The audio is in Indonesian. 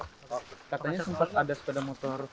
katanya sempat ada sepeda motor